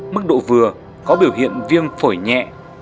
mức độ vừa có biểu hiện viêm phổi nhẹ